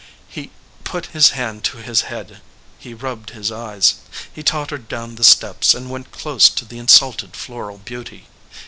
He put his hand to his head, he rubbed his eyes. He tottered down the steps, and went close to the insulted floral beauty.